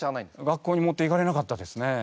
学校に持っていかれなかったですね。